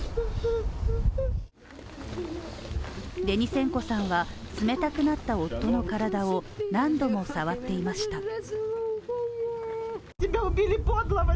デニセンコさんは冷たくなった夫の体を何度も触っていました。